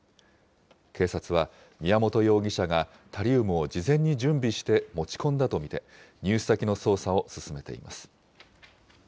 警察は、宮本容疑者がタリウムを事前に準備して持ち込んだと見て、入手先の捜査を進めています。